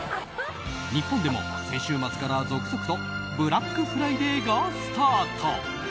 日本でも先週末から続々とブラックフライデーがスタート。